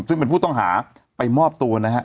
ซึ่งเป็นผู้ต้องหาไปมอบตัวนะฮะ